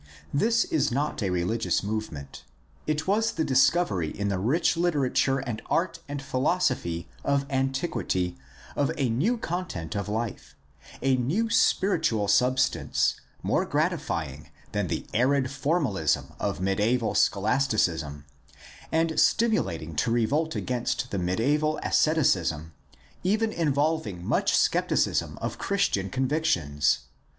This is not a religious movement. It was the discovery in the rich literature and art and philosophy of antiquity of a new content of life, a new spiritual substance, more gratifying than the arid formalism of mediaeval scholasticism, and stimulating to revolt against the mediaeval asceticism, even involving much skepticism of Christian convictions.